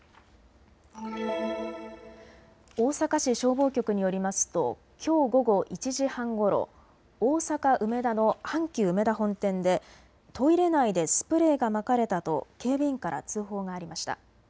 大阪市消防局によりますときょう午後１時半ごろ、大阪梅田の阪急うめだ本店でトイレ内でスプレーがまかれたと警備員から通報がありました。